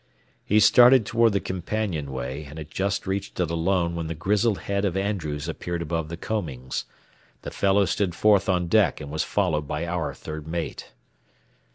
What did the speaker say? He started toward the companionway, and had just reached it alone when the grizzled head of Andrews appeared above the combings. The fellow stood forth on deck and was followed by our third mate.